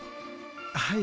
はい。